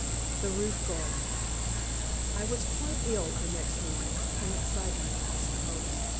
THE ROOF GARDEN I was quite ill the next morning from excitement, I suppose.